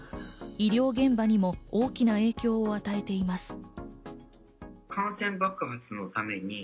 医療現場にも大きな影響を与えています。